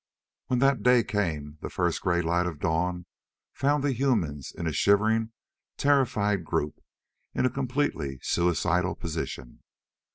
When that day came the first gray light of dawn found the humans in a shivering, terrified group in a completely suicidal position.